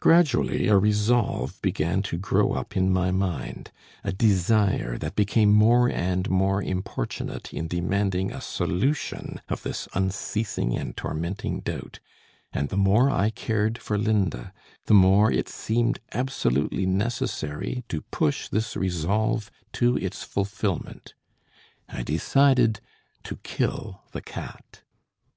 Gradually a resolve began to grow up in my mind, a desire that became more and more importunate in demanding a solution of this unceasing and tormenting doubt; and the more I cared for Linda, the more it seemed absolutely necessary to push this resolve to its fulfilment. I decided to kill the cat.